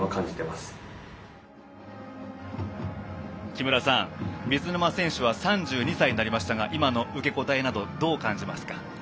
木村さん水沼選手は３２歳になりましたが今の受け答えなどどう感じますか。